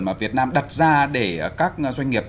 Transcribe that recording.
mà việt nam đặt ra để các doanh nghiệp